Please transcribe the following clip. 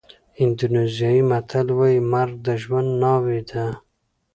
اندونېزیایي متل وایي مرګ د ژوند ناوې ده.